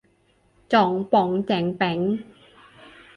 จ๊องป๊องแจ๊งแป๊ง